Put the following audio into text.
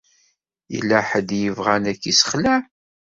Yella ḥedd i yebɣan ad k-isexleɛ.